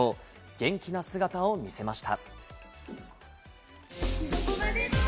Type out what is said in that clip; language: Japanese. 元気な姿を見せました。